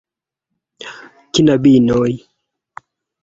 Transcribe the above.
Knabinoj!